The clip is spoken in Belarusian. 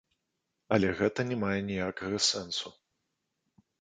Але гэта не мае ніякага сэнсу.